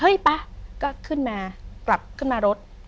ป่ะก็ขึ้นมากลับขึ้นมารถ